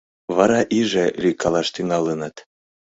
Вара иже лӱйкалаш тӱҥалыныт.